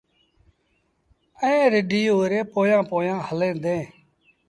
ائيٚݩٚ رڍينٚ اُئي ري پويآنٚ پويآنٚ هلينٚ دينٚ